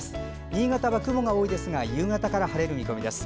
新潟は雲が多いですが夕方から晴れる見込みです。